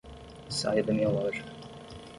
Saia da minha loja.